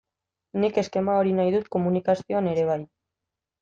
Nik eskema hori nahi dut komunikazioan ere bai.